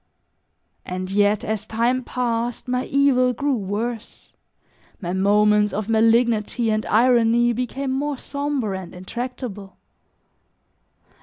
And yet as time passed my evil grew worse, my moments of malignity and irony became more somber and intractable.